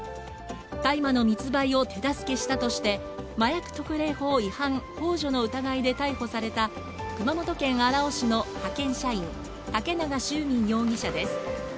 大麻の密売を手助けしたとして麻薬特例法違反ほう助の疑いで逮捕された熊本県荒尾市の派遣社員、竹永秀民容疑者です。